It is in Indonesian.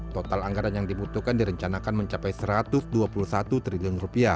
total anggaran yang dibutuhkan direncanakan mencapai rp satu ratus dua puluh satu triliun